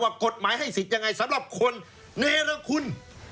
กฎหมายให้สิทธิ์ยังไงสำหรับคนเนรคุณ